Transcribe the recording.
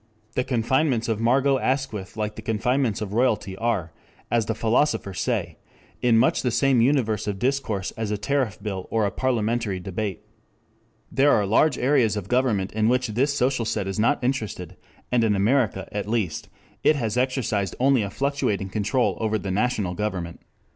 The confinements of Margot Asquith like the confinements of royalty are, as the philosophers say, in much the same universe of discourse as a tariff bill or a parliamentary debate. There are large areas of governments in which this social set is not interested, and in America, at least, it has exercised only a fluctuating control over the national government.